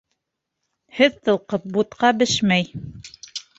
Һүҙ тылҡып, бутҡа бешмәй.